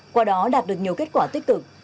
qua đó đạt được nhiều kết quả tích cực